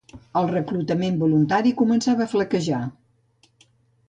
El reclutament voluntari començava a flaquejar